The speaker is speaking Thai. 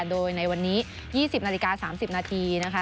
โดยในวันนี้๒๐นาฬิกา๓๐นาทีนะคะ